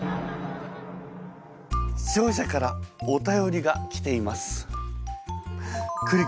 視聴者からお便りが来ています。